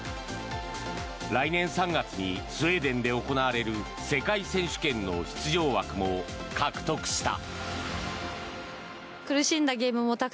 来年３月にスウェーデンで行われる世界選手権の出場枠も獲得した。